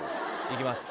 行きます。